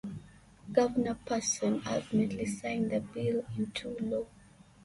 Governor Parson ultimately signed the bill into law.